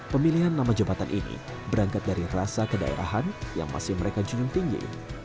pemilihan nama jabatan ini berangkat dari rasa kedaerahan yang masih mereka junjung tinggi